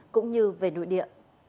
cũng như về nội địa